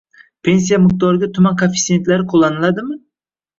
Pensiya miqdoriga tuman koeffitsiyentlari qo‘llaniladimi?